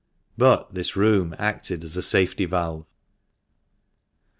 But this room acted as a safety valve.